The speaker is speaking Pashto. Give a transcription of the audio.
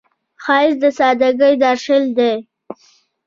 ښایست د سادګۍ درشل دی